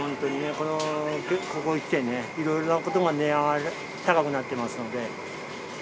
ここに来てね、いろいろなものが値上がり、高くなってますので。